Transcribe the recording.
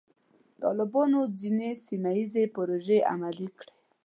طالبانو ځینې سیمه ییزې پروژې عملي کړې.